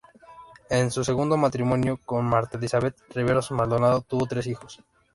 En su segundo matrimonio con Marta Elizabeth Riveros Maldonado tuvo tres hijos.